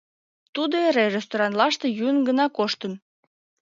Тудо эре ресторанлаште йӱын гына коштын.